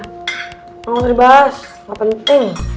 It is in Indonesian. nggak usah dibahas nggak penting